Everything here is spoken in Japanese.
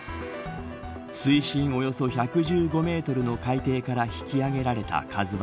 水深およそ１１５メートルの海底から引き揚げられたＫＡＺＵ１。